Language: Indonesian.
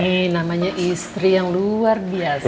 ini namanya istri yang luar biasa